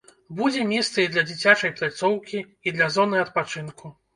Будзе месца і для дзіцячай пляцоўкі, і для зоны адпачынку.